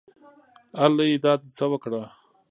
الۍ دا دې څه وکړه